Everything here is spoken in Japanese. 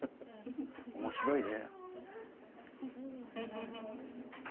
面白いで。